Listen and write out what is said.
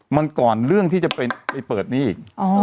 มันก่อนเรื่องที่จะไปเปิดหนี้อีก